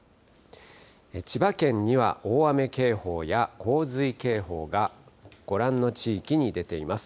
千葉県には、大雨警報や洪水警報が、ご覧の地域に出ています。